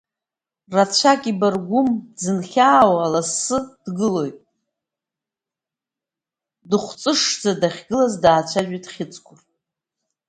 Рацәак ибаргәым дзынхьаауа, лассы дгылоит, дыхәҵышӡа дахьгылаз даацәажәеит Хьыҵкәыр.